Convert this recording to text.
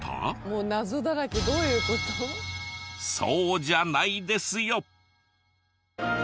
そうじゃないですよ！